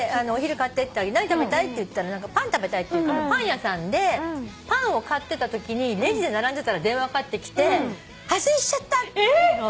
何食べたい？って言ったら「パン食べたい」って言うからパン屋さんでパンを買ってたときにレジで並んでたら電話かかってきて「破水しちゃった」って言うの。